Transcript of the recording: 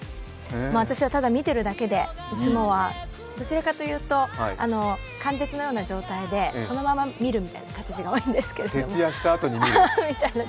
私はただ見てるだけで、いつもは、どちらかというと、貫徹のような状態でそのまま見るみたいな形が多いんですけど。